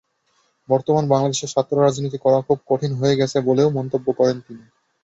বর্তমান বাংলাদেশে ছাত্র রাজনীতি করা খুব কঠিন হয়ে গেছে বলেও মন্তব্য করেন তিনি।